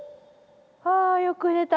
あよく寝た。